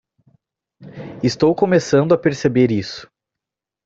Estou começando a perceber isso.